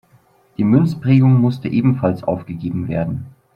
Die Münzprägung musste ebenfalls aufgegeben werden.